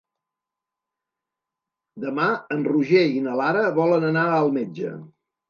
Demà en Roger i na Lara volen anar al metge.